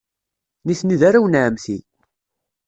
Nitni d arraw n ɛemmti.